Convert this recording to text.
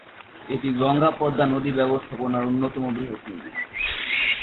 এটি গঙ্গা-পদ্মা নদী ব্যবস্থাপনার অন্যতম বৃহৎ নদী।